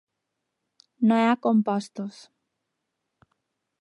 No hi ha compostos.